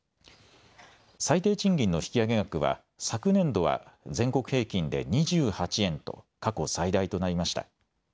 最低賃金の引き上げ額は昨年度は全国平均で２８円と過去最大となりました。